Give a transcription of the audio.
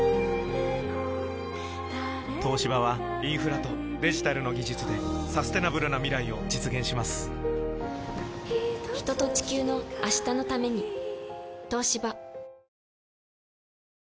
東芝はインフラとデジタルの技術でサステナブルな未来を実現します人と、地球の、明日のために。